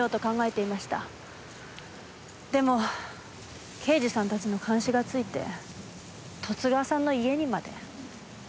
でも刑事さんたちの監視がついて十津川さんの家にまで。